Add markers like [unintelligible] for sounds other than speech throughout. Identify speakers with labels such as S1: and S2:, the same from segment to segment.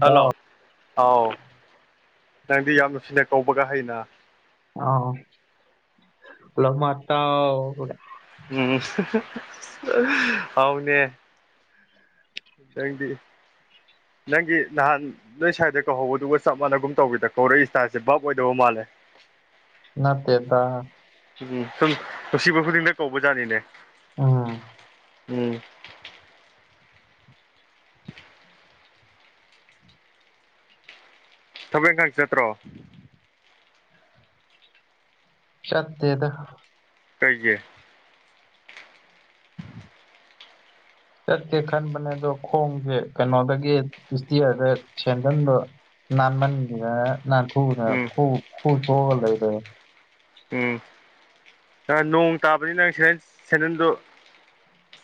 S1: hello ꯑꯥꯎ ꯅꯪꯗꯤ ꯌꯥꯝꯅꯅꯨꯡꯁꯤꯅ ꯀꯧꯕꯒ ꯍꯩꯅ
S2: ꯑ ꯂꯃꯠꯇ
S1: ꯎꯝ ꯍꯧꯎꯅꯦ ꯏꯗꯪꯗꯤ ꯅꯪꯒꯤ ꯅꯍꯥꯟ ꯅꯣꯏ ꯁ꯭ꯋꯥꯏꯗ ꯀꯧꯍꯧꯕꯗꯨꯒ ꯆꯞ ꯃꯥꯟꯅꯒꯨꯝ ꯇꯧꯤꯗ ꯀꯧꯔꯛꯏ ꯏꯁꯇꯥꯁꯦ ꯚꯥꯞ ꯑꯣꯏꯗꯧ ꯃꯥꯜꯂꯦ [unintelligible]
S2: ꯅꯠꯇꯦꯠꯇ
S1: ꯎꯝ ꯁꯨꯝ ꯅꯨꯡꯁꯤꯕ ꯈꯨꯗꯤꯡꯗ ꯀꯧꯕ ꯖꯥꯠꯅꯤꯅꯦ
S2: ꯑꯥ
S1: ꯎꯝ ꯊꯕꯛ ꯏꯪꯈꯥꯡ ꯆꯠꯇ꯭ꯔꯣ
S2: ꯆꯠꯇꯗ
S1: ꯀꯩꯒꯤ
S2: ꯆꯠꯀꯦ ꯈꯟꯕꯅꯦ ꯑꯗꯣ ꯈꯣꯡꯁꯦ ꯀꯩꯅꯣꯗꯒꯤ ꯄꯤꯁꯇꯤꯛꯔꯒ ꯁꯦꯟꯖꯟꯗꯣ ꯅꯟꯃꯅꯤ ꯅꯟꯊꯣꯗꯅ
S1: ꯎꯝ
S2: ꯂꯩꯔ
S1: ꯎꯝ ꯅꯣꯡ ꯇꯥꯕꯅꯤ ꯅꯪ ꯁꯦꯅꯟꯗꯨ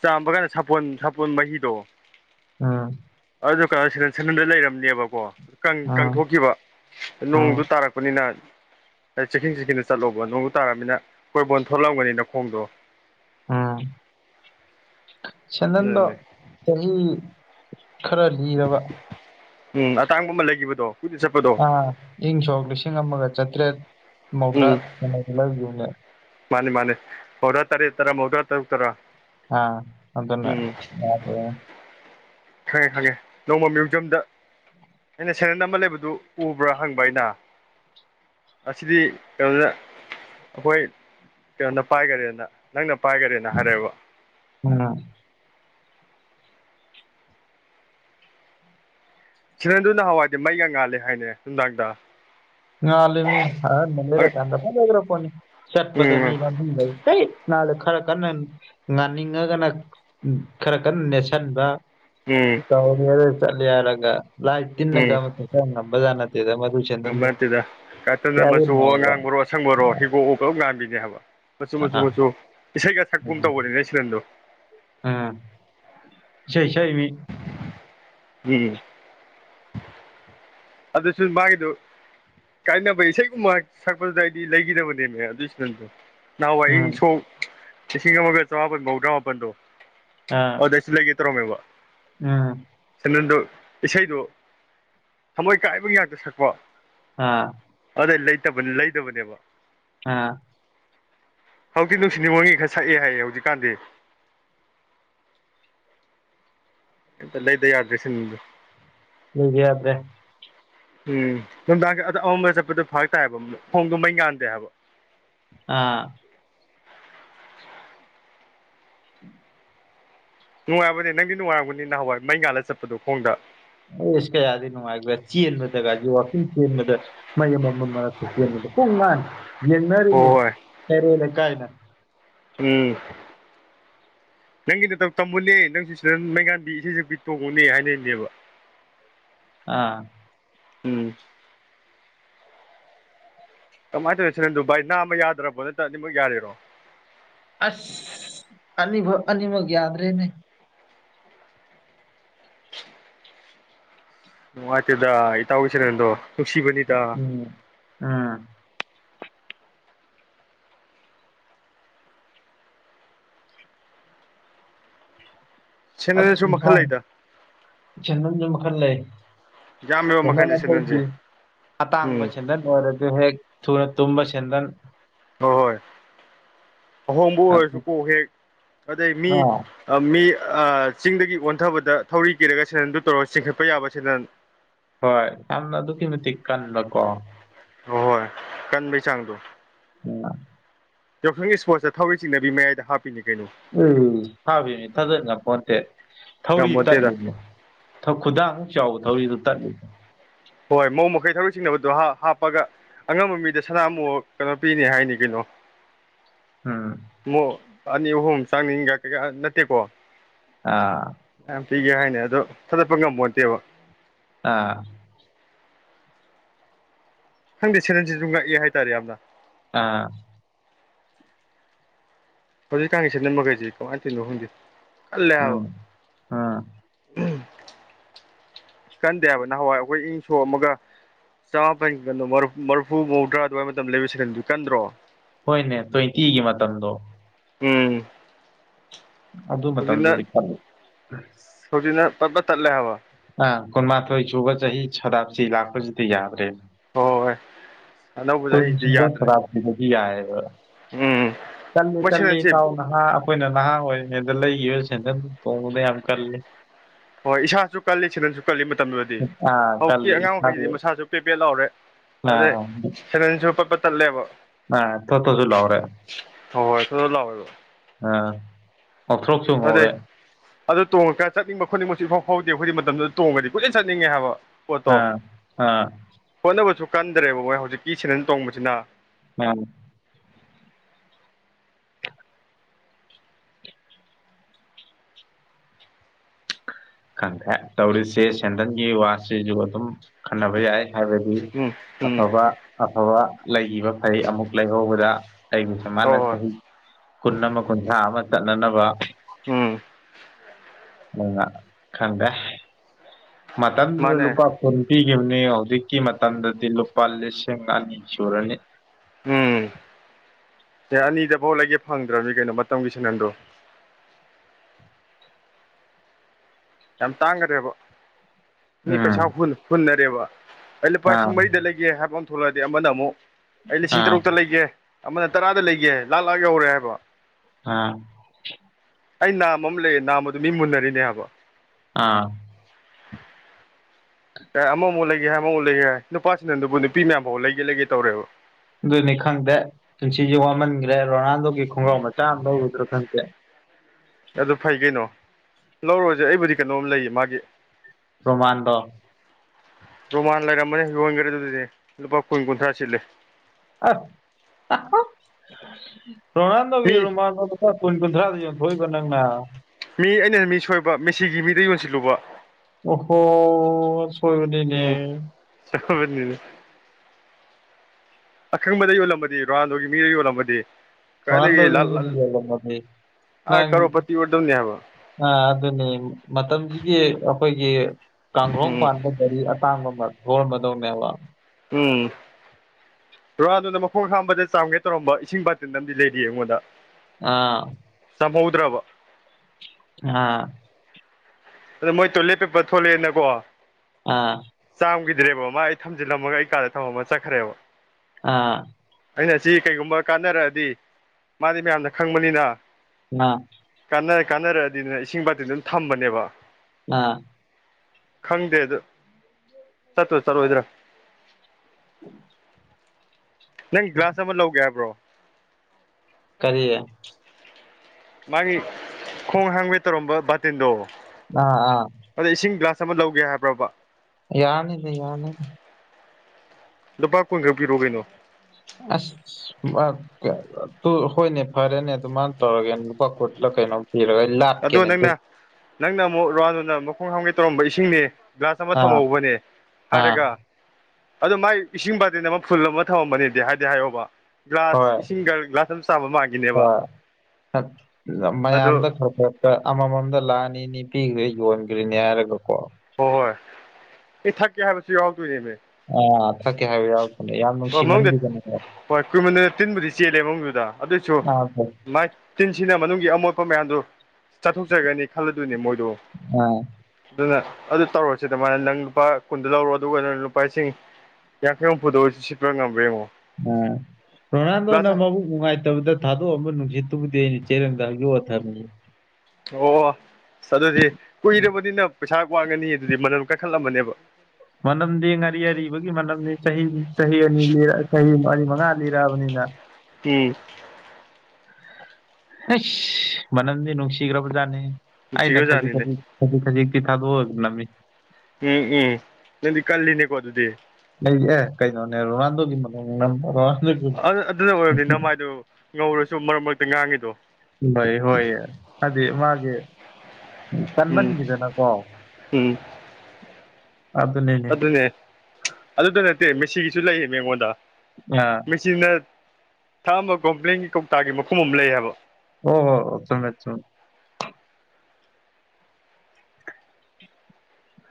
S1: ꯆꯥꯝꯕ ꯀꯥꯟꯗ ꯁꯥꯄꯣꯟ ꯁꯥꯄꯣꯟ ꯃꯍꯤꯗꯣ
S2: ꯑꯥꯝ
S1: ꯑꯗꯨꯩꯅꯣꯗ ꯁꯗ ꯂꯩꯔꯝꯅꯦꯕꯀꯣ
S2: ꯎꯝ
S1: ꯀꯪꯊꯣꯛꯈꯤꯕ
S2: ꯎꯝ
S1: ꯅꯣꯡꯗꯨ ꯇꯥꯔꯛꯄꯅꯤꯅ ꯑꯩ ꯆꯦꯛꯁꯤꯡ ꯆꯦꯛꯁꯤꯟꯗ ꯆꯠꯂꯣꯕ ꯅꯣꯡꯃ ꯇꯥꯔꯕꯃꯤꯅ ꯀꯣꯏꯕꯣꯟ ꯊꯣꯛꯂꯛꯂꯝꯒꯅꯤꯅ ꯈꯣꯡꯗꯣ
S2: ꯎꯝ ꯆꯗꯟꯗ
S1: ꯑꯗꯨꯅꯦ
S2: ꯆꯍꯤ ꯈꯔ ꯂꯤꯔꯕꯔꯕ
S1: ꯎꯝ ꯑꯇꯥꯡꯕꯨꯝ ꯑꯃ ꯂꯩꯈꯤꯕꯗꯣ ꯀꯨꯏꯅ ꯆꯠꯄꯗꯣ
S2: ꯑꯥ ꯏꯪ ꯁꯣꯛ ꯂꯤꯁꯤꯡ ꯑꯃꯒ ꯆꯥꯇ꯭ꯔꯦꯠ ꯃꯧꯗ꯭ꯔꯥ ꯂꯩꯈꯤꯕꯨꯅꯦ
S1: ꯃꯥꯅꯤ ꯃꯥꯅꯤ ꯃꯥꯑꯣꯗꯔꯥ ꯇꯔꯦꯠ ꯔꯥ ꯃꯦꯗꯔꯥ ꯇꯥꯔꯨꯛꯇꯔ
S2: ꯑ ꯑꯗꯨꯟ
S1: ꯈꯪꯉꯦ ꯈꯪꯉꯦ ꯅꯣꯡꯃ ꯃ꯭ꯌꯨꯖꯌꯝꯗ ꯑꯩꯅ ꯁꯦꯅꯦꯗꯟ ꯑꯃ ꯂꯩꯕꯗꯨ ꯎꯕ꯭ꯔꯥ ꯍꯪꯕ ꯑꯩꯅ ꯑꯁꯤꯗꯤ ꯀꯩꯅꯣꯅ ꯑꯩꯈꯣꯏ ꯀꯩꯅꯣꯅ ꯄꯥꯏꯈꯔꯦꯅ ꯅꯪꯅ ꯄꯥꯏꯈꯔꯦꯅ ꯍꯥꯏꯔꯦꯕ
S2: ꯎꯝ
S1: ꯁꯤꯅꯟꯗꯨꯅ ꯍꯋꯥꯏꯗꯤ ꯃꯩꯒ ꯉꯥꯜꯂꯦ ꯍꯥꯏꯅꯦ ꯅꯨꯡꯗꯥꯡꯗ
S2: ꯉꯂꯃꯤ ꯑꯍꯥꯟꯕ ꯂꯩꯔꯀꯀꯟꯗ ꯐꯣꯖꯈꯔ꯭ꯖꯈꯔ꯭ꯕꯥꯄꯣꯠꯅꯤ ꯆꯠꯄꯗ ꯃꯤ
S1: ꯎꯝ
S2: ꯅꯊꯨꯕ ꯇꯤꯛ ꯅꯥꯗ ꯈꯔ ꯀꯟꯅ ꯉꯥꯅꯤꯡꯉꯒꯅ ꯈꯔ ꯀꯟꯅ ꯅꯦꯠꯁꯤꯟꯕ
S1: ꯎꯝ
S2: ꯇꯔ ꯆ ꯌꯥꯔꯒ ꯂꯥꯏ ꯇꯤꯟꯒ
S1: ꯎꯝ
S2: ꯃꯖꯥꯅ ꯂꯩꯇꯦ ꯃꯗꯨ ꯁꯦꯟꯗꯟꯗꯨ
S1: ꯀꯇꯗ ꯃꯆꯨ ꯑꯉꯥꯡꯕꯔꯣ ꯑꯁꯪꯕꯔꯣ ꯍꯤꯡꯒꯣꯛꯎ ꯀꯔꯝ ꯉꯥꯟꯕꯤꯅꯦ ꯍꯥꯏꯕ ꯃꯆꯨ ꯃꯆꯨ
S2: ꯑꯥ
S1: ꯃꯆꯨ ꯏꯁꯩꯒ ꯁꯛꯄ ꯑꯃ ꯇꯧꯕꯅꯤꯅꯦ ꯁꯤꯔꯟꯗꯣ
S2: ꯎꯃ ꯑꯦꯁꯩ ꯁꯛꯃꯤ
S1: ꯎꯝ ꯑꯗꯁꯨ ꯃꯥꯒꯤꯗꯨ ꯀꯥꯏꯅꯕ ꯏꯁꯩꯒꯨꯝꯕ ꯁꯛꯄꯗꯨꯗ ꯑꯩꯗꯤ ꯂꯩꯈꯤꯗꯕꯅꯦꯅꯦ ꯑꯗꯨꯏ ꯁꯤꯅꯗꯥꯟꯗꯨ ꯅꯍꯥꯟꯋꯥꯏꯪ
S2: ꯎꯝ
S1: ꯁꯣꯛ ꯂꯤꯁꯤꯡ ꯑꯃꯒ ꯆꯃꯥꯄꯜ ꯃꯧꯗ꯭ꯔꯥ ꯃꯥꯄꯟꯗꯣ
S2: ꯑꯥ
S1: ꯑꯗꯨꯗꯏꯁꯨ ꯂꯩꯒꯦ ꯄꯝꯕ [unintelligible]
S2: ꯎꯝ
S1: ꯅ ꯏꯁꯩꯗꯨ ꯊꯃꯣꯏ ꯀꯥꯏꯕꯒꯤ ꯉꯥꯛꯇ ꯁꯛꯄ
S2: ꯑꯥ
S1: ꯑꯗꯩ ꯂꯩꯇꯕ ꯂꯩꯇꯕꯅꯦꯕ
S2: ꯍꯥꯥ
S1: ꯍꯧꯖꯤꯛꯇꯤ ꯅꯨꯡꯁꯤꯠ ꯅꯤ ꯃꯡꯒꯤ ꯈꯔ ꯁꯛꯑꯦ ꯍꯥꯏꯌꯦ ꯍꯧꯖꯤꯛꯀꯥꯟꯗꯤ ꯇ ꯂꯩꯗ ꯌꯥꯗ꯭ꯔꯔꯤ ꯁꯤꯟꯗ
S2: ꯁꯤꯗꯤꯗ꯭ꯔꯦ
S1: ꯎꯝ ꯅꯨꯡꯗꯥꯡꯁ ꯑꯑꯝꯕ ꯆꯠꯄꯗꯣ ꯐꯔ ꯇꯥꯏꯕ ꯈꯣꯡꯗ ꯃꯩ ꯉꯥꯟꯗꯦ ꯍꯥꯏꯕ
S2: ꯑꯥ [inaudible]
S1: ꯅꯨꯡꯉꯥꯏꯕꯅꯦ ꯅꯪꯗꯤ ꯅꯨꯡꯉꯥꯏꯔꯝꯕꯅꯤ ꯅꯍꯋꯥꯏ ꯃꯩ ꯉꯥꯜꯂ ꯆꯠꯄꯗꯣ ꯈꯣꯡꯗ
S2: ꯌꯁ ꯀꯥꯏ ꯅꯨꯪꯉꯥꯏꯈꯔ꯭ꯦ ꯆꯟ ꯃꯗꯒ ꯋꯥꯀꯤꯡ ꯆꯦꯟꯕꯗꯥ ꯃꯔꯛꯇ ꯌꯦꯡꯉꯗ ꯄꯨꯡ ꯃꯥꯅꯤ ꯌꯦꯡꯅꯔꯤꯅꯤ
S1: ꯍꯣꯏ ꯍꯣꯏ
S2: ꯀꯔꯣ ꯂꯩ ꯀꯥꯏꯅ
S1: ꯎꯝ ꯅꯪꯒꯤ ꯅꯧ ꯇꯝꯃꯨꯅꯦ ꯅꯪꯁꯨ ꯁꯤꯗ ꯃꯩꯉꯥꯟꯕꯤ ꯏꯁꯩ ꯁꯛꯄꯤ ꯇꯣꯡꯉꯨꯅꯦ ꯍꯥꯏꯅꯔꯤꯅꯦꯕ [inaudible]
S2: ꯑꯥ
S1: ꯎꯝ ꯀꯃꯥꯏꯅ ꯇꯧꯔꯤꯤ ꯁꯔꯟꯗꯨ ꯚꯥꯏ ꯅꯥ ꯑꯃ ꯌꯥꯗ꯭ꯔꯕꯣ ꯅꯠꯇ ꯑꯅꯤꯃꯛ ꯌꯥꯔꯤꯔꯣ
S2: ꯑꯁ ꯑꯅꯤꯐ ꯑꯅꯤꯃꯛ ꯌꯥꯗ꯭ꯔꯦꯅꯦ
S1: ꯃꯇꯗ ꯏ ꯇꯥꯎ ꯍꯁꯔ ꯅꯣ
S2: ꯎꯝ ꯑꯥ ꯑꯁ
S1: ꯁꯦꯟꯗꯟꯁꯨ ꯃꯈꯜ
S2: ꯏꯟꯁꯥꯡ
S1: ꯂꯩꯗ
S2: ꯁꯟꯁꯨ ꯃꯈꯜ ꯂꯩ
S1: ꯌꯥꯝꯃꯦꯕ
S2: ꯁꯦꯟꯗ
S1: ꯃꯈꯜꯁꯦ ꯁꯦꯟꯗꯟꯁꯦ
S2: ꯅꯈꯗꯤ ꯑꯇꯥꯡꯕ
S1: ꯎꯝ
S2: ꯁꯦꯟꯗꯟ ꯑꯣꯏꯔ ꯑꯗꯨ ꯍꯦꯛ ꯁꯨꯔ ꯇꯨꯝꯕ ꯆꯟꯟ
S1: ꯍꯣꯏ ꯑꯍꯣꯡꯕ ꯑꯣꯏꯔꯁꯨꯀꯣꯛ ꯍꯦꯛ ꯑꯗꯩ ꯃꯤ
S2: ꯑꯥ
S1: ꯃꯤ ꯆꯤꯡꯗꯒꯤ ꯑꯣꯟꯊꯕꯗ ꯊꯧꯔꯤ ꯀꯤꯔꯒ ꯁꯦꯗꯟꯗꯨ ꯇꯧꯔꯒ ꯆꯤꯡꯈꯠꯄ ꯌꯥꯕ ꯁꯤꯗꯟ
S2: ꯍꯣꯏ ꯌꯥꯝꯥꯟꯅ ꯑꯗꯨꯛꯀꯤ ꯃꯇꯤꯛ ꯀꯥꯟꯅ ꯀꯣ
S1: ꯍꯣꯏ ꯀꯟꯕꯤ ꯁꯥꯡꯪ ꯇꯣ
S2: ꯎ
S1: ꯌꯥꯎꯁꯪꯒꯤ ꯏꯁꯄꯣꯔꯠꯁꯇ ꯊꯧꯔꯤ ꯆꯤꯡꯅꯕꯤ ꯃꯌꯥꯏꯗ ꯍꯥꯞꯄꯤ
S2: ꯎꯝ ꯊꯥꯕꯤꯅꯤ ꯊꯥꯖꯅ ꯄꯣꯠꯇꯦ ꯊꯧꯔꯤ
S1: ꯉꯝꯄꯣꯟꯇꯦꯗ
S2: ꯇꯠꯂꯤꯅꯦ ꯈꯨꯗꯥꯡ ꯆꯥꯎꯕ ꯊꯧꯔꯤꯗꯨꯣ ꯇꯠꯂꯤ
S1: ꯍꯣꯏ ꯃꯧ ꯃꯈꯩ ꯊꯧꯔꯛ ꯁꯤꯡꯅꯕꯗꯣ ꯍꯥ ꯍꯥꯞꯄꯒ ꯑꯉꯝꯕ ꯃꯤꯗ ꯁꯅꯥꯃꯨ ꯀꯩꯅꯣ ꯄꯤꯅꯦ ꯍꯥꯏꯅꯤ ꯀꯩꯅꯣ
S2: ꯍꯝ
S1: ꯑꯃꯨꯛ ꯑꯅꯤ ꯑꯍꯨꯝ ꯆꯪꯅꯤꯡꯒ ꯀꯩꯀꯥ ꯅꯠꯇꯦꯀꯣ
S2: ꯑ
S1: ꯌꯥꯝ ꯄꯤꯒꯦ ꯍꯥꯏꯅꯦ ꯑꯗꯣ ꯊꯥꯗꯠꯄ ꯉꯝꯕꯣ ꯅꯠꯇꯦꯕ
S2: ꯑꯥ
S1: ꯈꯪꯗꯦ ꯁꯦꯔꯟꯁꯤꯁꯨ ꯉꯛꯑꯦ ꯍꯥꯏꯇꯥꯔꯦ ꯌꯥꯝꯅ
S2: ꯑꯥ
S1: ꯍꯧꯖꯤꯛ ꯀꯥꯡꯉꯁꯤꯅꯃꯒꯩꯁꯤꯦ ꯀꯃꯥꯏꯅ ꯇꯤꯟꯣ ꯍꯪꯗꯦ ꯀꯜꯂꯦ ꯍꯥꯏꯕ
S2: ꯎꯝ ꯎꯝ
S1: ꯀꯟꯗꯦ ꯍꯥꯏꯕ ꯅꯍꯥꯟꯋꯥꯏ ꯑꯩꯈꯣꯏ ꯏꯪ ꯁꯣꯛꯑꯃꯒ ꯆꯃꯥꯄꯟ ꯀꯩꯅꯣ ꯃꯔꯐꯨ ꯃꯧꯗ꯭ꯔꯥ ꯑꯗꯨꯋꯥꯏ ꯃꯇꯝ ꯂꯩꯕ ꯁꯀꯟꯗꯨ ꯀꯟꯗ꯭ꯔꯣ
S2: ꯍꯣꯏꯅꯦ ꯇ꯭ꯋꯦꯟꯇꯤꯒꯤ ꯃꯇꯝꯗꯣ
S1: ꯎꯝ
S2: ꯑꯗꯨ
S1: ꯍꯧꯖꯤꯛꯅ
S2: ꯃꯇꯝꯗꯨꯗꯤ ꯐ
S1: ꯄꯕ ꯆꯂꯦ ꯍꯕ
S2: ꯑꯥ ꯀꯨꯟꯃꯥꯊꯣꯏ ꯁꯨꯕ ꯆꯍꯤ ꯁꯗꯥꯞꯁꯤ ꯂꯥꯛꯄꯁꯤꯗꯤ ꯌꯥꯗ꯭ꯔꯦꯕ
S1: ꯍꯣꯢ
S2: ꯀꯣꯏ ꯁꯔꯞꯖꯗꯤ ꯌꯥꯦ
S1: ꯎꯝ
S2: ꯀꯂꯤ
S1: ꯃꯣꯏ
S2: ꯆꯜꯂꯤ
S1: ꯁꯦꯟꯗꯟꯁꯦ
S2: ꯊꯥꯎ ꯅꯍꯥ ꯑꯩꯈꯣꯏꯅ ꯅꯍꯥ ꯑꯣꯏ ꯂ ꯌꯁ ꯇꯣꯡꯉꯗꯦ ꯌꯥꯝꯀꯔꯦ
S1: ꯍ ꯏꯁꯥꯁꯨꯨ ꯀꯂꯂꯤꯦ ꯀꯜꯂꯤ ꯃꯇꯝꯗꯨꯗꯗꯤ
S2: ꯑꯥ
S1: ꯍꯧꯖꯤꯛꯇꯤ
S2: ꯀꯜꯂꯤ
S1: ꯑꯉꯥꯡ
S2: ꯏꯁꯥꯁꯦ
S1: ꯃꯈꯩꯁꯤꯗꯤ ꯃꯁꯥꯁꯨ ꯄꯦꯕꯦꯠ ꯂꯥꯎꯔꯦ ꯑꯗꯦ
S2: ꯑꯥ
S1: ꯆꯅꯅꯁꯨꯄꯠꯄ ꯇꯜꯂꯦꯕ
S2: ꯑꯥ ꯊꯣꯠ ꯊꯣꯠꯁꯨ ꯂꯥꯎꯔꯦ
S1: ꯍꯣꯏ ꯍꯣꯏ ꯑꯗꯨꯗ ꯂꯥꯛꯑꯣꯦꯕꯣ
S2: ꯑ
S1: ꯑꯗꯨꯗꯩ
S2: ꯑꯣꯊ꯭ꯔꯁꯨꯣꯡꯉꯧꯔꯦ
S1: ꯑꯗꯨ ꯇꯣꯡꯉꯀꯒ ꯆꯠꯅꯤꯡꯕ ꯈꯨꯗꯤꯠꯅꯤꯡꯕꯁꯨ ꯏꯐꯥꯎ ꯐꯥꯎꯗꯦ ꯑꯩꯈꯣꯏꯗꯤ ꯃꯇꯝꯗꯨꯗ ꯇꯣꯡꯉꯗꯤ ꯀꯨꯏꯅ ꯆꯠꯅꯤꯡꯉꯦ ꯍꯥꯏꯕ ꯄꯣꯠꯇꯣ
S2: ꯑꯥ ꯑꯥ
S1: ꯍꯣꯠꯅꯕꯁꯨ ꯀꯟꯗ꯭ꯔꯦꯕ ꯃꯣꯏ ꯍꯧꯖꯤꯛꯀꯤ ꯁꯤꯅ ꯇꯣꯡꯕꯁꯤꯅ
S2: ꯎꯝ ꯈꯪꯈꯦ ꯇꯧꯔꯤꯁꯦ ꯁꯦꯟꯗꯟꯒꯤ ꯋꯥꯁꯤꯁꯨ ꯑꯗꯨꯝ ꯈꯟꯅꯕ ꯌꯥꯏ ꯍꯥꯏꯕꯗꯤ
S1: ꯎꯝ ꯎꯝ
S2: ꯑꯐꯕ ꯑꯐꯕ ꯂꯩꯈꯤꯕ ꯐꯩ ꯑꯃꯨꯛ ꯂꯩꯍꯧꯕꯗ ꯂꯩꯒꯤꯁꯦ ꯃꯥꯅ
S1: ꯍꯣꯏ ꯍꯣꯏ
S2: ꯆꯍꯤ ꯀꯨꯟ ꯑꯃ ꯀꯨꯟꯊ꯭ꯔꯥ ꯑꯃ ꯆꯠꯅꯅꯕ
S1: ꯎꯝ
S2: ꯑ ꯈꯗꯦ ꯃꯟ
S1: ꯃꯥꯅꯦ
S2: ꯂꯨꯄꯥ ꯀꯦꯟꯇꯤꯒꯦꯅꯤꯅꯦ ꯍꯧꯖꯤꯛꯀꯤ ꯃꯇꯝꯗꯗꯤ ꯂꯨꯄꯥ ꯂꯤꯁꯤꯡ ꯑꯅꯤ ꯁꯨꯔꯅꯤ
S1: ꯎꯝ ꯑꯦ ꯑꯅꯤꯗ ꯐꯥꯎ ꯂꯩꯒꯦ ꯐꯪꯗ꯭ꯔꯕꯅꯤ ꯀꯩꯅꯣ ꯃꯇꯝꯒꯤ ꯁꯍꯟꯗꯣ ꯌꯥꯝ ꯇꯥꯡꯈ꯭ꯔꯦꯕ ꯃꯤ ꯄꯩꯁꯥ
S2: ꯎꯝ
S1: ꯍꯨꯟꯅꯔꯦꯕ ꯑꯩ ꯂꯨꯄꯥ
S2: ꯑꯥ
S1: ꯂꯤꯁꯤꯡ ꯃꯔꯤꯗ ꯂꯩꯒꯦ ꯍꯥꯏꯕ ꯑꯃ ꯊꯣꯛꯂꯛꯑꯗꯤ ꯑꯃꯅ ꯑꯃꯨꯛ ꯑꯩ ꯂꯤꯁꯤꯡ
S2: ꯑꯥ
S1: ꯇꯔꯨꯛꯇ ꯂꯩꯒꯦ ꯑꯃꯅ ꯇꯔꯥꯗ ꯂꯩꯒꯦ ꯂꯥꯛ ꯂꯥꯛ ꯌꯧꯔꯦ ꯍꯥꯏꯕ
S2: ꯑꯥ
S1: ꯑꯩ ꯅꯥꯝ ꯑꯃ ꯂꯩꯌꯦ ꯅꯥꯝ ꯑꯗꯨ ꯃꯤ ꯃꯨꯟꯅꯔꯤꯅꯦ ꯍꯥꯏꯕ
S2: ꯑꯥ
S1: ꯑꯦ ꯑꯃꯃꯨꯛ ꯂꯩꯒꯦ ꯍꯥꯏ ꯑꯃꯃꯨꯛ ꯂꯩꯒꯦ ꯍꯥꯏ ꯅꯨꯄꯥꯁꯤꯅ ꯑꯗꯨꯕꯨ ꯅꯨꯄꯤ ꯃꯌꯥꯝꯐꯥꯎ ꯂꯩꯒꯦ ꯂꯩꯒꯦ ꯇꯧꯔꯦꯕ
S2: ꯑꯗꯨꯅꯤ ꯈꯪꯗꯦ ꯄꯨꯟꯁꯤꯁꯦ ꯋꯥꯃꯟꯈ꯭ꯔꯦ ꯔꯣꯅꯥꯜꯗꯣꯒꯤ ꯈꯣꯡꯒ꯭ꯔꯥꯎ ꯃꯆꯥ ꯑꯃ ꯂꯧꯔꯨꯗ꯭ꯔꯥ ꯈꯪꯗꯦ
S1: ꯑꯗꯨ ꯐꯩ ꯀꯩꯅꯣ ꯂꯧꯔꯨꯔꯁꯦ ꯑꯩꯕꯨꯗꯤ ꯀꯩꯅꯣꯝ ꯂꯩꯌꯦ ꯃꯥꯒꯤ
S2: ꯔꯣꯃꯥꯟꯗꯣ
S1: ꯔꯣꯃꯥꯟ ꯂꯩꯔꯝꯕꯅꯤ ꯍꯣꯡꯈ꯭ꯔꯦ ꯑꯗꯨꯗꯤ ꯂꯨꯄꯥ ꯀꯨꯟ ꯀꯨꯟꯊ꯭ꯔꯥ ꯁꯤꯜꯂꯦ
S2: ꯑ ꯔꯣꯅꯥꯟꯗꯒꯤꯔ
S1: ꯃꯤ
S2: ꯀꯨꯟ ꯀꯨꯟꯊ꯭ꯔꯥꯗ ꯌꯣꯟꯊꯣꯛꯏꯕ ꯅꯪꯅ
S1: ꯃꯤ ꯑꯩꯅ ꯍ ꯃꯤ ꯁꯣꯏꯕ ꯃꯦꯁꯤꯒꯤ ꯃꯤꯗ ꯌꯣꯟꯁꯤꯜꯂꯨꯕ
S2: ꯑꯣ ꯍꯣ ꯁꯣꯏꯕꯅꯤꯅꯦ
S1: ꯅꯤꯅꯤ ꯑꯈꯪꯕꯗ ꯌꯣꯜꯂꯝꯃꯗꯤ ꯔꯣꯍꯥꯟꯗꯣꯒꯤ ꯃꯤꯗ ꯌꯣꯜꯂꯝꯃꯗꯤ ꯀꯥꯏꯗ
S2: ꯔꯣꯅꯥꯜꯗꯣꯒꯤ
S1: ꯂ ꯂ
S2: ꯃꯤꯕꯨ ꯌꯣꯜꯂꯝꯃꯗꯤ
S1: ꯑꯥ
S2: ꯅꯪ
S1: ꯈꯔꯣ ꯄꯇ ꯋꯥꯗ ꯅ
S2: ꯑ ꯑꯗꯨꯅꯤ ꯃꯇꯝꯁꯤꯒꯤ ꯑꯩꯈꯣꯏ ꯀꯥꯡꯈ꯭ꯔꯣꯡ
S1: ꯎꯝ
S2: ꯄꯥꯟꯕ ꯒꯥꯔꯤ ꯑꯇꯥꯡꯕ ꯑꯃ ꯍꯣꯟꯕꯗꯧꯅꯦꯕ
S1: ꯎꯝ ꯔꯣꯅꯥꯜꯗꯣꯅ ꯃꯈꯣꯡ ꯍꯥꯝꯕꯗ ꯆꯥꯝꯒꯦ ꯇꯧꯔꯝꯕ ꯏꯁꯤꯡ ꯕꯥꯇꯟ ꯑꯃꯗꯤ ꯂꯩꯔꯤꯌꯦ ꯑꯩꯉꯣꯟꯗ
S2: ꯑꯥ
S1: ꯍꯧꯗ꯭ꯔꯕ
S2: ꯑꯥ
S1: ꯑꯗ ꯃꯣꯏ ꯇꯣ ꯂꯦꯞꯄꯦꯄ ꯊꯣꯛꯂꯛꯑꯦꯅꯀꯣ
S2: ꯑꯥ
S1: ꯌꯥꯝꯝꯈꯤꯗ꯭ꯔꯦꯕ ꯃꯥ ꯑꯩ ꯊꯝꯖꯤꯜꯂꯝꯃꯒ ꯑꯩ ꯀꯥꯗ ꯊꯝꯃ ꯆꯠꯈ꯭ꯔꯦꯕ
S2: ꯑꯥ
S1: ꯑꯩꯅ ꯁꯤ ꯀꯩꯒꯨꯝꯕ ꯀꯥꯟꯅꯔꯛꯑꯗꯤ ꯃꯥꯗꯤ ꯃꯌꯥꯝꯅ ꯈꯪꯕꯅꯤꯅ
S2: ꯑ
S1: ꯀꯥꯟꯅꯔꯛꯑꯗꯤꯅꯦ ꯏꯁꯤꯡ ꯕꯥꯇꯤꯟ ꯑꯗꯨꯝ ꯊꯝꯕꯅꯦꯕ
S2: ꯑꯥ
S1: ꯈꯪꯗꯦ ꯑꯗꯨ ꯆꯠꯣ ꯆꯠꯨꯣꯏ ꯏꯗ꯭ꯔ ꯅꯪ ꯒ꯭ꯂꯥꯁ ꯑꯃ ꯂꯧꯒꯦ ꯍꯥꯏꯕ꯭ꯔꯣ
S2: ꯀꯔꯤ
S1: ꯃꯥꯒꯤ ꯈꯣꯡ ꯍꯥꯡꯕ ꯇꯧꯔꯝꯕ ꯕꯥꯇꯤꯟꯗꯣ
S2: ꯑꯥ ꯑꯥ
S1: ꯑꯗ ꯏꯁꯤꯡ ꯒ꯭ꯂꯥꯁ ꯑꯃ ꯂꯧꯒꯦ ꯍꯥꯏꯕ꯭ꯔꯕ
S2: ꯌꯥꯅꯤꯅꯦ ꯌꯥꯅꯤꯅꯦ
S1: ꯑꯗꯨꯄꯥꯥꯛ ꯀꯣꯏꯒ ꯄꯤꯔꯣꯒꯩꯅꯣ
S2: ꯑꯁ ꯇꯨ ꯍꯣꯏꯅꯦ ꯐꯔꯦꯅꯦ ꯇꯨ ꯃꯥꯅ ꯇꯧꯔꯒꯦ ꯄꯠꯂ ꯀꯩꯅ
S1: ꯑꯗꯣ ꯅꯪꯅ ꯅꯪꯅ ꯑꯃꯨꯛ ꯔꯅ ꯃꯈꯣꯡ ꯍꯥꯡꯝꯒꯦ ꯇꯧꯔꯝꯕ ꯏꯁꯤꯡꯅꯦ ꯒ꯭ꯂꯥꯁ ꯑꯃ
S2: ꯑꯥ
S1: ꯊꯝꯍꯧꯕꯅꯦ
S2: ꯑꯥ
S1: ꯍꯥꯏꯔꯒ ꯑꯗꯨ ꯃꯥꯏ ꯏꯁꯤꯡ ꯕꯥꯇꯦꯟ ꯑꯃ ꯐꯨꯜ ꯑꯃ ꯊꯝꯃꯝꯕꯅꯤꯗꯤ ꯍꯥꯏꯗꯤ ꯍꯥꯏꯌꯣꯕ ꯒ꯭ꯂꯥꯁ
S2: ꯍꯣꯏ
S1: ꯏꯁꯤꯡꯒꯒꯥ ꯒ꯭ꯂꯥꯁ ꯑꯃ ꯆꯥꯕ ꯃꯈꯤꯅꯦꯕ
S2: ꯍꯣꯏ ꯃꯌꯥꯝꯗ ꯊꯣꯛꯄ ꯑꯃꯃꯝꯗ ꯂꯥꯛꯑꯅꯤꯅꯤ ꯄꯤꯈ꯭꯭ꯔꯦ ꯌꯣꯟꯈ꯭ꯔꯤꯅꯤ ꯍꯥꯏꯔꯒ ꯀꯣ
S1: ꯍꯣꯏ ꯍꯣꯏ ꯑꯩ ꯊꯛꯀꯦ ꯍꯥꯏꯕꯁꯨ ꯌꯥꯎꯗꯣꯏꯅꯦꯃꯦ
S2: ꯑꯥ ꯊꯛꯀꯦ ꯍꯥꯏꯌꯨ ꯌꯥꯎꯔꯛꯄꯅꯦ ꯌꯥꯝ
S1: ꯃꯅꯨꯡꯗ
S2: ꯅꯨꯡꯁꯤꯃꯟꯕꯤꯗꯅ
S1: ꯍꯣꯏ ꯀꯨꯏꯃꯟꯗꯅ ꯇꯤꯟꯕꯨꯗꯤ ꯆꯦꯜꯂꯦ ꯃꯅꯨꯡꯗꯨꯗ ꯑꯗꯨꯏꯁꯨ
S2: ꯑ ꯐ
S1: ꯃꯥꯏ ꯇꯤꯟꯁꯤꯅ ꯃꯅꯨꯡꯒꯤ ꯑꯃꯣꯠ ꯑꯣꯄ ꯃꯌꯥꯝꯗꯣ ꯆꯠꯊꯣꯛꯆꯒꯅꯤ ꯈꯜꯂꯗꯣꯏꯅꯦ ꯃꯣꯏꯗꯣ
S2: ꯑꯥ
S1: ꯑꯗꯨꯅ ꯑꯗꯨ ꯇꯧꯔꯁꯤ ꯑꯗꯨꯃꯥꯏꯅ ꯅꯪ ꯂꯨꯄꯥ ꯀꯨꯟꯗ ꯂꯧꯔꯣ ꯑꯗꯨꯒ ꯂꯨꯄꯥ ꯂꯤꯁꯤꯡ ꯌꯥꯡꯈꯩ ꯍꯨꯝꯐꯨꯗ ꯑꯣꯏꯁꯤ ꯁꯤꯠꯄꯒ ꯉꯝꯕ꯭ꯔꯦꯡꯉꯣ
S2: ꯄ꯭ꯔꯣꯅꯥꯟꯗꯣꯅ ꯃꯕꯨ ꯅꯨꯡꯉꯥꯏꯇꯕꯗ ꯊꯥꯗꯣꯛꯑꯝꯕ ꯅꯨꯡꯁꯤꯠꯇꯨꯕꯨ ꯆꯦꯔꯦꯟ ꯆꯦꯔꯪꯗ ꯌꯣꯛꯑ ꯊꯝꯃꯤ
S1: ꯑꯣ ꯑꯁ ꯑꯗꯨꯗꯤ ꯀꯨꯏꯔꯕꯅꯤꯅ ꯄꯩꯁꯥ ꯋꯥꯡꯉꯅꯤ ꯑꯗꯨꯗꯤ ꯃꯅꯜ ꯀꯟꯈꯠꯂꯝꯕꯅꯦꯕ
S2: ꯃꯅꯝꯗꯤ ꯉꯥꯔꯤ ꯑꯔꯤꯕꯒꯤ ꯃꯅꯝꯗꯤ ꯆꯍꯤ ꯆꯍꯤ ꯑꯅꯤ ꯆꯍꯤ ꯃꯔꯤ ꯃꯉꯥ ꯂꯤꯔꯛꯑꯕꯅꯤꯅ
S1: ꯎꯝ
S2: ꯑꯦ ꯃꯅꯗꯤ ꯅꯨꯡꯁꯤꯒ꯭ꯔꯕ ꯇꯅꯦꯦ ꯑꯩꯅ ꯈꯖꯤꯛ
S1: ꯅꯨꯡꯁꯤꯈ꯭ꯔꯖꯥꯠꯅꯤꯅꯦ
S2: ꯈꯖꯤꯛ ꯈꯖꯤꯛ ꯈꯖꯤꯛꯇꯤ ꯊꯥꯗꯣꯛꯑꯣꯕ ꯅꯃꯤ
S1: ꯎꯝ ꯎꯝ ꯅꯗꯤ ꯀꯜꯂꯤꯅꯦ ꯀꯣ ꯑꯗꯨꯗꯤ
S2: ꯑꯩ ꯑꯦ ꯀꯩꯅꯣꯅꯦ ꯔꯣꯅꯥꯜꯗꯣꯒꯤ ꯃꯃ ꯅꯝꯕꯣ
S1: ꯑꯗꯨꯅ ꯑꯣꯏꯔꯕꯅꯤꯅ ꯃꯥꯏꯗꯣ ꯉꯧꯔꯁꯨ ꯃꯔꯛ ꯃꯔꯛꯇ ꯉꯥꯡꯉꯤꯗꯣ
S2: ꯍꯣꯏ ꯑꯗꯤ ꯃꯥꯒꯦ
S1: ꯎꯝ
S2: ꯀꯟꯃꯟꯈꯤꯗꯅ ꯀꯣ
S1: ꯎꯝ ꯑꯗꯨꯅꯦ ꯑꯗꯨꯗ ꯅꯠꯇꯦ ꯃꯦꯁꯤꯒꯤꯁꯨ ꯂꯩꯌꯦ ꯃꯉꯣꯟꯗ
S2: ꯑꯥ
S1: ꯃꯆꯤꯅ ꯊꯥꯛꯑꯝꯕ ꯒꯣꯝꯕ꯭ꯂꯂꯦꯝꯒꯤ ꯀꯧꯇꯥꯒꯤ ꯃꯈꯨꯝ ꯑꯃ ꯂꯩ ꯍꯥꯏꯕ
S2: ꯑꯣ ꯍꯣ ꯆꯨꯝꯃꯦ ꯆꯨꯝꯃꯦ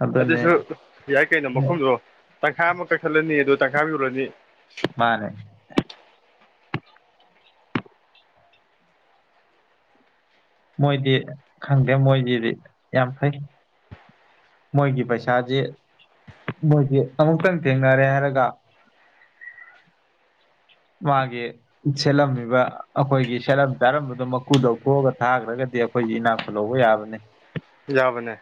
S2: ꯑꯗꯨꯅꯦ
S1: ꯑꯗꯨꯁꯨ ꯌꯥꯏ ꯀꯩꯅꯣ ꯃꯐꯝꯗꯣ ꯇꯪꯈꯥꯏ ꯑꯃ ꯀꯛꯊꯠꯂꯅꯤ ꯑꯗꯨ ꯇꯪꯈꯥ ꯌꯨꯔꯅꯤ
S2: ꯃꯥꯅꯦ ꯃꯣꯏꯗꯤ ꯈꯪꯗꯦ ꯃꯣꯏꯗꯤꯗꯤ ꯌꯥꯝ ꯐꯩ ꯃꯣꯏꯒꯤ ꯄꯩꯁꯥꯁꯤ ꯃꯣꯏꯁꯤ ꯑꯃꯨꯛꯇꯪ ꯊꯦꯡꯅꯔꯦ ꯍꯥꯏꯔꯒ ꯃꯥꯒꯤ ꯁꯦꯠꯂꯝꯃꯤꯕ ꯑꯩꯈꯣꯏꯒꯤ ꯁꯦꯠꯂꯝ ꯆꯥꯔꯝꯕꯗꯨꯣ ꯃꯀꯨꯗꯊꯣꯛꯑꯒ ꯊꯥꯈ꯭ꯔꯒꯗꯤ ꯗꯤ ꯑꯩꯈꯣꯏꯒꯤ ꯏꯅꯥꯛ ꯈꯨ ꯂꯧꯕ ꯌꯥꯕꯅꯦ
S1: ꯌꯥꯕꯅꯦ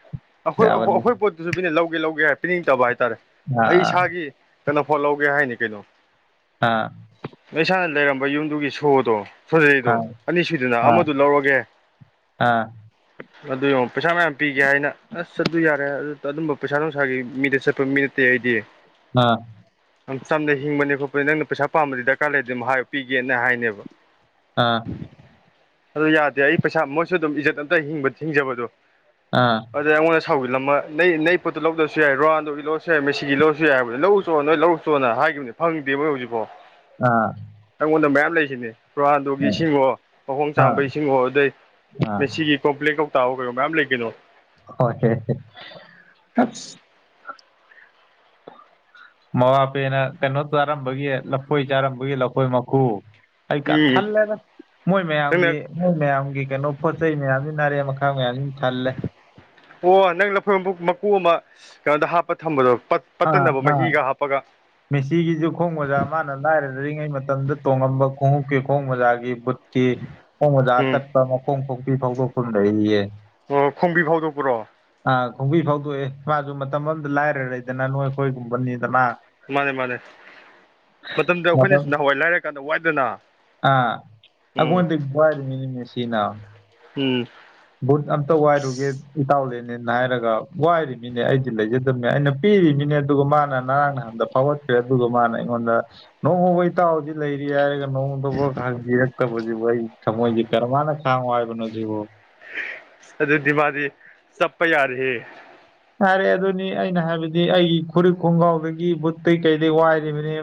S1: ꯑꯩꯈꯣꯏ ꯑꯩꯈꯣꯏ ꯄꯣꯠꯇꯨꯁꯨ ꯄꯤꯅꯦ ꯂꯧꯒꯦ ꯂꯧꯒꯦ ꯍꯥꯏ ꯄꯤꯅꯤꯡꯗꯕ ꯍꯥꯏꯦ ꯍꯥꯏ ꯇꯔꯦ ꯑꯩ
S2: ꯑꯥ
S1: ꯏꯁꯥꯒꯤ ꯀꯩꯅꯣꯐꯣꯠ ꯂꯧꯒꯦ ꯍꯥꯏꯅꯤ ꯀꯩꯅꯣ
S2: ꯑꯥ
S1: ꯏꯁꯥꯅ ꯂꯩꯔꯝꯕ ꯌꯨꯝꯗꯨꯒꯤ ꯁꯣꯗꯣ
S2: ꯑꯥ
S1: ꯁꯣꯖꯩꯗꯣ ꯑꯅꯤꯁꯤꯗꯨꯅ
S2: ꯑꯥ
S1: ꯑꯃꯗꯨ ꯂꯧꯔꯒꯦ
S2: ꯑꯥ
S1: ꯑꯗꯨ ꯌꯦꯉ ꯄꯩꯁꯥ ꯃꯌꯥꯝ ꯄꯤꯒꯦ ꯍꯥꯏꯅ ꯑꯁ ꯆꯠꯂ ꯌꯥꯔꯦ ꯑꯗꯨ ꯑꯗꯨꯝꯕ ꯄꯩꯁꯥ ꯅꯨꯡꯁꯥꯒꯤ ꯃꯤꯗ ꯆꯠꯄ ꯃꯤ ꯅꯠꯇꯦ ꯑꯩꯗꯤ
S2: ꯑꯥ
S1: ꯆꯗ ꯍꯤꯡꯕꯅꯦ ꯈ ꯑꯣꯏ ꯅꯪꯅ ꯄꯩꯁꯥ ꯄꯥꯝꯕꯗꯤ ꯗꯔꯀꯥꯔ ꯂꯩꯗꯤ ꯑꯗꯨꯝ ꯍꯥꯏꯌꯕ ꯄꯤꯒꯦꯅ ꯍꯥꯏꯅꯦꯕ
S2: ꯑꯥ
S1: ꯑꯗꯨ ꯌꯥꯗꯦ ꯑꯩ ꯄꯩꯁꯥ ꯃꯣꯏꯁꯨ ꯑꯗꯨꯝ ꯏꯖꯠ ꯑꯝꯇ ꯍꯤꯡꯕ ꯊꯤꯡꯖꯕꯗꯣ ꯑꯗꯨꯗꯩ ꯑꯩꯉꯣꯟꯗ ꯁꯧꯜꯂꯝꯃ ꯅꯩ ꯄꯣꯠꯇ ꯂꯧꯗꯕꯁꯨ ꯌꯥꯏ ꯔꯣꯅꯥꯥꯟꯗꯣꯒꯤ ꯂꯧꯔꯁꯨ ꯌꯥꯏ ꯃꯦꯁꯤꯒꯤ ꯂꯧꯔꯁꯨ ꯌꯥꯏꯕ ꯂꯧꯔꯨ ꯆꯣ ꯅꯣꯏ ꯂꯧꯔꯨ ꯆꯣꯅ ꯍꯥꯏ ꯍꯥꯏꯈꯤꯕꯅꯦ ꯐꯪꯗꯦꯕꯣꯏ ꯍꯧꯖꯤꯛꯐꯣ
S2: ꯑꯥ
S1: ꯂꯩꯁꯤꯅꯦ ꯔꯣꯍꯥꯟꯗꯣꯒꯤ ꯏꯁꯤꯡꯉꯣ ꯃꯈꯍꯣꯡ
S2: ꯑꯥ
S1: ꯆꯥꯝꯕ
S2: ꯑꯥ
S1: ꯏꯁꯤꯡꯉꯣ ꯑꯗꯩ
S2: ꯑꯥ
S1: ꯉꯁꯤꯒꯤ ꯀꯣꯝꯄ꯭ꯂꯦꯛ ꯇꯥꯎ ꯀꯣ ꯃꯌꯥꯝꯦꯝ ꯂꯩꯒꯗꯣ
S2: [unintelligible] ꯃꯕꯥꯄꯦꯅ ꯀꯩꯅꯣ ꯆꯥꯔꯝꯕꯒꯤ ꯂꯐꯣꯏ ꯆꯥꯔꯝꯕꯒꯤ ꯂꯐꯣꯏ ꯃꯀꯨ ꯑꯩ ꯀꯥ
S1: ꯎꯝ
S2: ꯊꯜꯂꯦꯅ ꯃꯣꯏ ꯃꯌꯥꯝꯒꯤ
S1: ꯅꯪꯅ
S2: ꯃꯣꯏ ꯃꯌꯥꯝꯒꯤ ꯀꯩꯅꯣ ꯄꯣꯠ ꯆꯩ ꯃꯌꯥꯝꯁꯤ ꯑꯥꯔꯦꯝꯕ ꯈꯛ ꯃꯌꯥꯝꯖꯤꯅꯥ
S1: ꯑꯣ ꯅꯪ ꯂꯐꯣꯏ ꯃꯀꯨ ꯃꯀꯨ ꯑꯃ ꯀꯩꯅꯣꯗ ꯍꯥꯞꯄ ꯊꯝꯕꯗꯣ ꯄꯠ
S2: ꯑꯥ
S1: ꯄꯠꯇꯅꯕ
S2: ꯑꯥ
S1: ꯃꯍꯤꯒ ꯍꯥꯞꯄꯒ
S2: ꯃꯦꯁꯤꯒꯤꯁꯨ ꯈꯣꯡ ꯃꯖꯥ ꯃꯥꯅ ꯂꯥꯏꯔ ꯔꯤꯉꯩ ꯃꯇꯝꯗ ꯇꯣꯡꯂꯝꯕ ꯈꯣꯡꯎꯞꯀꯤ ꯈꯣꯡ ꯃꯣꯖꯥꯒꯤ ꯕꯨꯠ ꯀꯤ ꯈꫭꯡ ꯃꫭꯖꯥ
S1: ꯎꯝ
S2: ꯑꯇꯠꯄ ꯃꯈꫭꯡ ꯈꫭꯡꯕꯤ ꯐꯥꯎꯗꫭꯛꯄꯥ ꯑꯃꯥ ꯂꯩꯔꯤꯌ‌ꯦ
S1: ꯑꯣ ꯈꯣꯡꯕꯤ ꯐꯥꯎꯗꯣꯛꯄ꯭ꯔꯣ
S2: ꯑꯥ ꯈꯣꯡꯕꯤ ꯐꯥꯎꯗꯣꯛꯑꯦ ꯃꯥꯖꯨ ꯃꯇꯝ ꯑꯃꯗ ꯂꯥꯏꯔꯔꯝ ꯗꯅ ꯅꯣꯏ ꯑꯩꯈꯣꯏꯒꯨꯝꯕꯅꯤꯗꯅ
S1: ꯃꯥꯟꯅꯦ ꯃꯥꯟꯅꯦ ꯃꯇꯝꯗꯨ ꯑꯩꯈꯣꯏꯅ
S2: ꯃꯇꯝ
S1: ꯁ ꯅꯍꯥꯟꯋꯥꯏ ꯂꯥꯏꯔ ꯀꯥꯟꯗ ꯋꯥꯏꯗꯅ ꯎꯝ
S2: ꯑꯩꯉꫭꯟꯗꯩ ꯕꯨꯠ ꯋꯥꯏꯔꯤꯃꯤꯅ‌ꯦ ꯃꯦꯁ ꯁꯤꯅ
S1: ꯎꯝ
S2: ꯚꯨꯠ ꯑꯝꯇ ꯋꯥꯏꯔꯨꯒꯦ ꯏꯇꯥꯎꯂꯅ ꯅꯤꯟ ꯍꯥꯏꯔꯒ ꯋꯥꯏꯔꯤꯅꯤꯅꯦ ꯑꯩꯗꯤ ꯂꯩꯖꯗꯕꯅꯤ ꯑꯩꯅ ꯄꯤꯔꯤꯅꯤꯅꯦ ꯑꯗꯨꯒ ꯃꯥꯅ ꯉꯔꯥꯡ ꯅꯍꯥꯟꯗ ꯐꯥꯎꯒꯠꯈ꯭ꯔꯦ ꯑꯗꯨꯒ ꯃꯥꯅ ꯑꯩꯉꯣꯟꯗ ꯅꯣꯡꯃꯥꯕꯨꯛ ꯏꯇꯥꯎꯁꯤ ꯂꯩꯔꯤ ꯍꯥꯏꯔꯒ ꯅꫭꯡꯃꯥꯗꯕꯨꯛ ꯍꯥꯡꯗꯤꯌ‌ꯦ ꯊꯧꯕꯖꯤꯕꯨ ꯑꯩ ꯊꯃꫭꯏꯖꯤ ꯀꯌꯝꯋꯥꯅꯥ ꯈꯥꯡꯉꫭ ꯍꯥꯏꯕꯅꫭ ꯁꯤꯕꯨ
S1: ꯑꯗꯨꯗꯤ ꯃꯥꯗꯤ ꯆꯞꯄꯥ ꯌꯥꯔꯦꯍ‌ꯦ
S2: ꯌꯥꯔꯦ ꯑꯗꯨꯅꯤ ꯑꯩꯅ ꯍꯥꯏꯕꯗꯤ ꯑꯩꯒꯤ ꯐꯨꯔꯤꯠ ꯈꯣꯡꯒ꯭ꯔꯥꯎꯗꯒꯤ ꯕꯨꯠꯇꯇꯩ ꯀꯩꯗꯩ ꯋꯥꯏꯔꯤꯕꯅꯦ